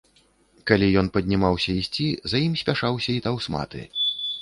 Калі ён паднімаўся ісці, за ім спяшаўся і таўсматы.